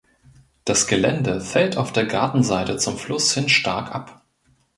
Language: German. Das Gelände fällt auf der Gartenseite zum Fluss hin stark ab.